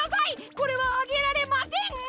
これはあげられません！